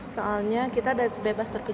soalnya kita bebas terpilih